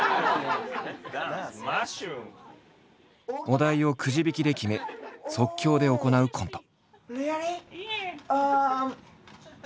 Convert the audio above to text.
お題をくじ引きで決め即興で行うコント。